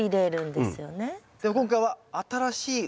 でも今回は新しい植え方。